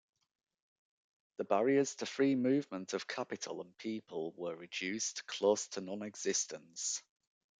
The barriers to free movement of capital and people were reduced close to nonexistence.